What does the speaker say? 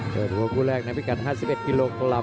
เกิดว่าผู้แรกนักพิการ๕๑กิโลกรัม